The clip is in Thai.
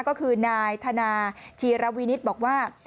ก็คือนายธนาชีรวินิตบอกว่า